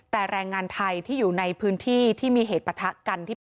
แต่แรงงานไทยที่อยู่ในพื้นที่ที่มีเหตุประทะกันที่เป็น